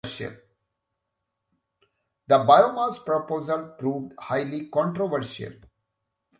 The biomass proposal proved highly controversial.